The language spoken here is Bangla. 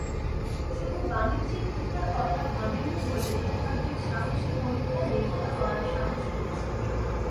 শুধু বাণিজ্যিক দিকটার কথা ভাবেননি বলেই একাধিক সাহসী পরীক্ষা-নিরীক্ষা করার সাহস পেয়েছেন।